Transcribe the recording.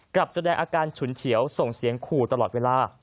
กลับแสดงอาการฉุนเฉียวส่งเสียงขู่ตลอดเวลา